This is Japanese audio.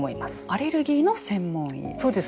アレルギーの専門医。